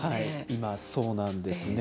今、そうなんですね。